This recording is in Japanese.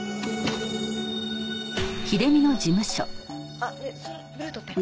あっねえそれブルー取って。